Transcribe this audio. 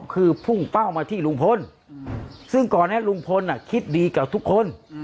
คือพุ่งเป้ามาที่ลุงพลซึ่งก่อนนั้นลุงพลคิดดีกับทุกคน